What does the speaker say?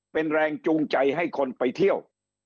เป็นแรงจูงใจให้คนไปเที่ยว